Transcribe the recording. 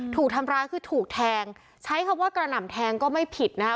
ถูกทำร้ายคือถูกแทงใช้คำว่ากระหน่ำแทงก็ไม่ผิดนะคะ